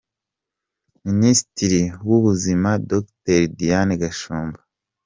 Minisitiri w’ ubuzima Dr Diane Gashumba.